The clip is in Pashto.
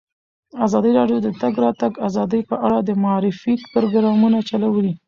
ازادي راډیو د د تګ راتګ ازادي په اړه د معارفې پروګرامونه چلولي.